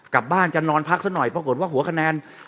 กลับบ้านจะนอนพักซะหน่อยปรากฏว่าหัวคะแนน